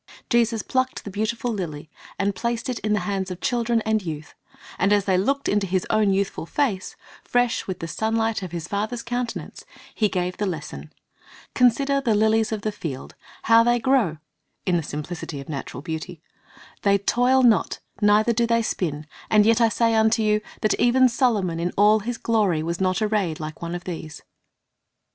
Jesus plucked the beautiful lily, and placed it in the hands of children and youth; and as they looked into His own youthful face, fresh with the sunlight of His Father's countenance, He gave the lesson, " Consider the lilies of the field, how they grow [in the simplicity of natural beauty] ; they toil not, neither do they spin : and yet I say unto you, that even Solomon in all his glory was not arrayed like one of these."